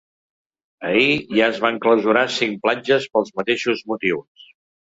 Ahir ja es van clausurar cinc platges pels mateixos motius.